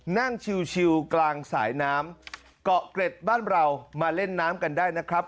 นั่งชิวกลางสายน้ำเกาะเกร็ดบ้านเรามาเล่นน้ำกันได้นะครับ